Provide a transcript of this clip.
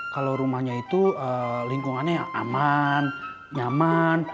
kalau rumahnya itu lingkungannya yang aman nyaman